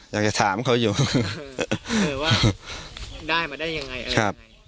อยากจะถามเขาอยู่เหมือนว่าได้มาได้ยังไงครับ